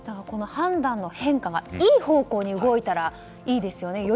この判断の変化がいい方向に動いたらいいですよね。